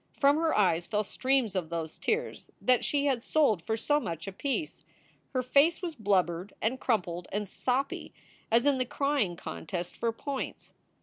From her eyes fell streams of those tears that she had sold for so much apiece. Her face was blubbered and crumpled and soppy as in the crying contest for points.